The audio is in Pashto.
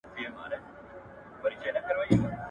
د دغي غونډې په پای کي د ژبو د زده کړې اهمیت ذکر سو.